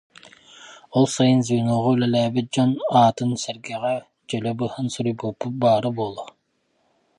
Ол сайын звеноҕа үлэлээбит дьон аатын сэр- гэҕэ дьөлө быһан суруйбуппут баара буолуо